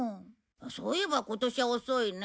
そういえば今年は遅いね。